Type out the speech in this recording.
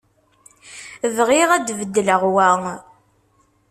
Bɣiɣ ad d-beddleɣ wa.